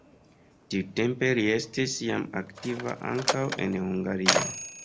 Tiutempe li estis jam aktiva ankaŭ en Hungario.